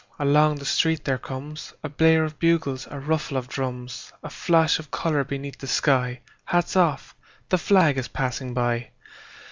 Along the street there comesA blare of bugles, a ruffle of drums,A flash of color beneath the sky:Hats off! The flag is passing by!